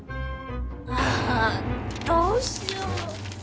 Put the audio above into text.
あどうしよう！